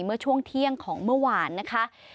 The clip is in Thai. เมื่อช่วงเที่ยงของเมื่อวานนะคะ